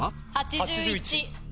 ８１。